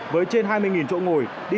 với trên hai mươi chỗ ngồi